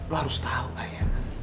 lo harus tahu ayah